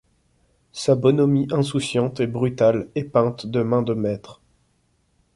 Sa bonhomie insouciante et brutale est peinte de main de maître.